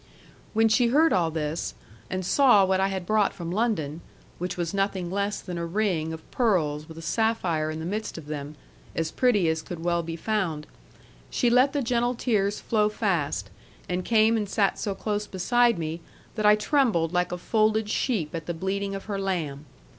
When she heard all this, and saw what I had brought from London (which was nothing less than a ring of pearls with a sapphire in the midst of them, as pretty as could well be found), she let the gentle tears flow fast, and came and sat so close beside me, that I trembled like a folded sheep at the bleating of her lamb.